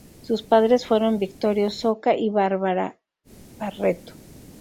Sus padres fueron Victorio Soca y Bárbara Barreto.